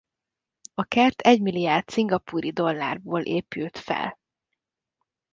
A kert egymilliárd szingapúri dollárból épült fel.